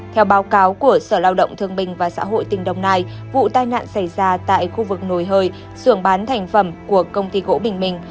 theo báo cáo của sở lao động thương bình và xã hội tỉnh đồng nai vụ tai nạn xảy ra tại khu vực nồi sưởng bán thành phẩm của công ty gỗ bình minh